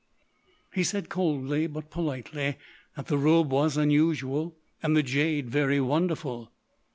He said coldly but politely that the robe was unusual and the jade very wonderful.